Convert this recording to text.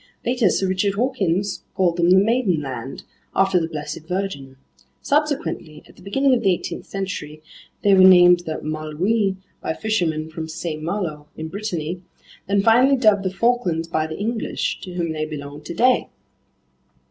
Later Sir Richard Hawkins called them the Maidenland, after the Blessed Virgin. Subsequently, at the beginning of the 18th century, they were named the Malouines by fishermen from Saint Malo in Brittany, then finally dubbed the Falklands by the English, to whom they belong today.